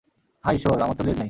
হায় ইশ্বর, আমার তো লেজ নেই!